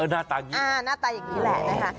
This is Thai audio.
น่าตายังงี้แหละนะฮะ